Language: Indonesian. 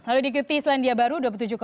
lalu diikuti selandia baru dua puluh tujuh empat